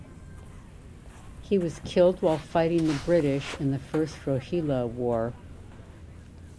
He was killed while fighting the British in the First Rohilla War.